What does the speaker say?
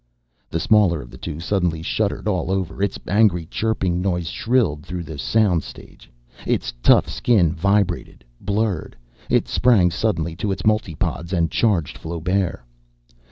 The smaller of the two suddenly shuddered all over. Its angry chirping noise shrilled through the sound stage. Its tough skin vibrated blurred. It sprang suddenly to its multipods and charged Flaubert.